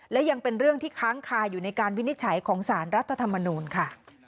และยังเป็นเรื่องที่ค้างคาอยู่ในการวินิจฉัยของสารรัฐธรรมนูลค่ะ